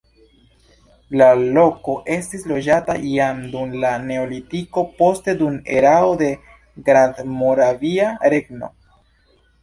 La loko estis loĝata jam dum la neolitiko, poste dum erao de Grandmoravia Regno.